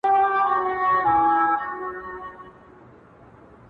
چي ته ډنګر یې که خېټور یې-